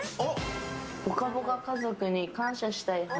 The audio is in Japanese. ぽかぽか家族に感謝したい話。